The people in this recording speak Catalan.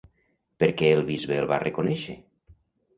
Per què el bisbe el va reconèixer?